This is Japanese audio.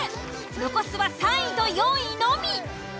残すは３位と４位のみ。